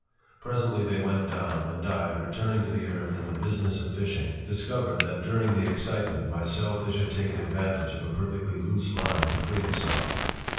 Presently they went down. And I, returning to earth and the business of fishing, discovered that during the excitement my sailfish had taken advantage of a perfectly loose line to free himself.